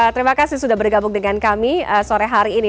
terima kasih sudah bergabung dengan kami sore hari ini